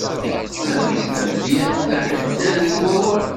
Bab-is d amedyaz d aḥeddad n wawal.